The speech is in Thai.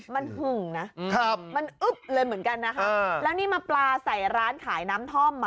มันหึงนะครับมันอึ๊บเลยเหมือนกันนะคะแล้วนี่มาปลาใส่ร้านขายน้ำท่อมอ่ะ